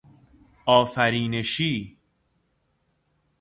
آفرینشی